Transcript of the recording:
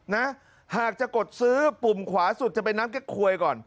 นะหากจะกดซื้อปุ่มขวาสุดจะเป็นน้ำแก๊กควยก่อน